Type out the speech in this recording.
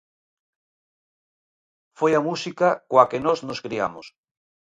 Foi a música coa que nós nos criamos.